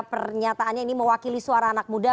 pernyataannya ini mewakili suara anak muda